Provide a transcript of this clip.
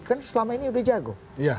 kan selama ini sudah jago